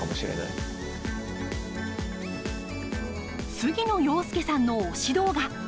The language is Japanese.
杉野遥亮さんの推し動画。